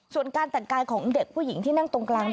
ส่วนการแต่งกายของเด็กผู้หญิงที่นั่งตรงกลาง